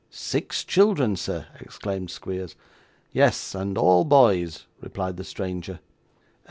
'Six children, sir?' exclaimed Squeers. 'Yes, and all boys,' replied the stranger.